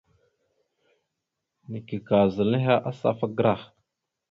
Neke ka zal henne asafa gərah.